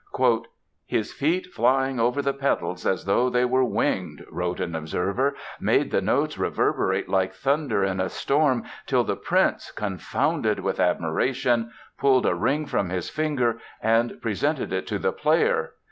"His feet, flying over the pedals as though they were winged," wrote an observer, "made the notes reverberate like thunder in a storm till the prince, confounded with admiration, pulled a ring from his finger and presented it to the player.